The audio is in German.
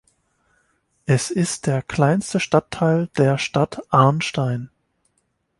Es ist der kleinste Stadtteil der Stadt Arnstein.